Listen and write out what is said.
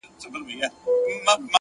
هره ورځ د نوي اغېز فرصت لري!